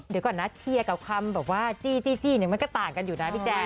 เดี๋ยวก่อนนะเชียร์กับคำแบบว่าจี้จี้เนี่ยมันก็ต่างกันอยู่นะพี่แจ๊